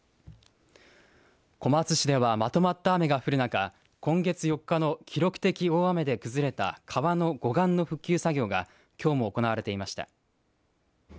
小松市では、まとまった雨が降る中、今月４日の記録的大雨で崩れた川の護岸の復旧作業がきょうも行われていました。